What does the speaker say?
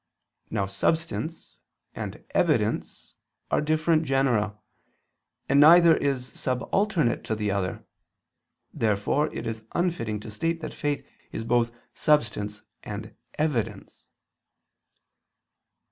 Now "substance" and "evidence" are different genera, and neither is subalternate to the other. Therefore it is unfitting to state that faith is both "substance" and "evidence."